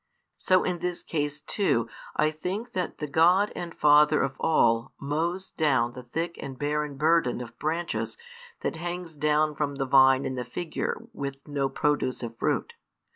So in this case too I think that the God |376 and Father of all mows down the thick and barren burden of branches that hangs down from the vine in the figure with no produce of fruit.